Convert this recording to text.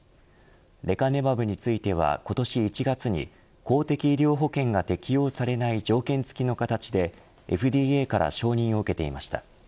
レカネマブについては今年１月に公的医療保険が適用されない条件付きの形でＦＤＡから承認を受けていました。